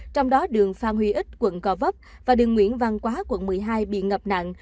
trong đó đường phan huy ích quận co vấp và đường nguyễn văn quá quận một mươi hai bị ngập nặng